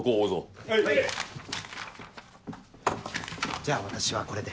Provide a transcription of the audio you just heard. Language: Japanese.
じゃあ私はこれで。